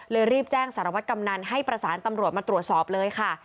รีบแจ้งสารวัตรกำนันให้ประสานตำรวจมาตรวจสอบเลยค่ะ